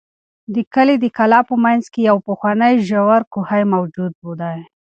د کلي د کلا په منځ کې یو پخوانی ژور کوهی موجود دی.